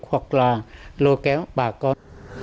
hoặc là lôi kéo bà con